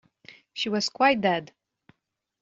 She was quite dead.